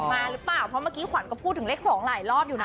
มาหรือเปล่าเพราะเมื่อกี้ขวัญก็พูดถึงเลข๒หลายรอบอยู่นะ